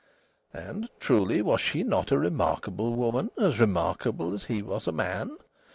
And, truly, was she not a remarkable woman, as remarkable as he was a man?